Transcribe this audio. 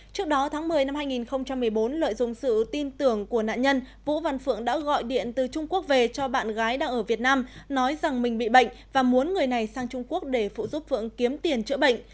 trước đó tháng một mươi năm hai nghìn một mươi bốn lợi dụng sự tin tưởng của nạn nhân vũ văn phượng đã gọi điện từ trung quốc về cho bạn gái đang ở việt nam nói rằng mình bị bệnh và muốn người này sang trung quốc để phụ giúp phượng kiếm tiền chữa bệnh